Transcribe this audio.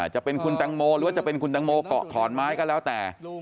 จะเป็นคุณตังโมหรือว่าจะเป็นคุณตังโมเกาะขอนไม้ก็แล้วแต่